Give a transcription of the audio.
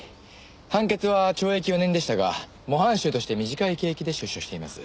判決は懲役４年でしたが模範囚として短い刑期で出所しています。